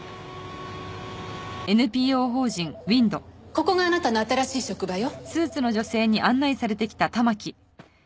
ここがあなたの新しい職場よ。